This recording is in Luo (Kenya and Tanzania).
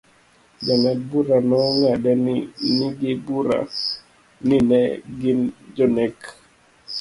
Jang'ad bura nong'adnegi bura ni ne gin jonek.